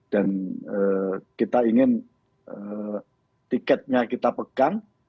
dan kita ingin tiketnya kita pegang